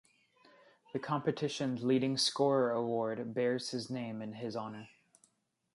The competition's leading scorer award bears his name in his honor.